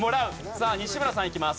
さあ西村さんいきます。